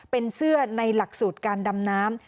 เป็นเสื้อในหลักสูตรการดำน้ำ